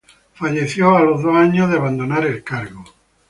Falleció a los dos años de abandonar el cargo.